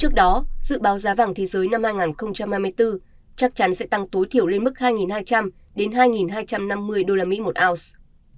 trước đó dự báo giá vàng thế giới năm hai nghìn hai mươi bốn chắc chắn sẽ tăng tối thiểu lên mức hai hai trăm linh đến hai hai trăm năm mươi usd một ounce